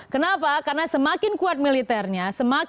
kenapa karena semakin kuat militernya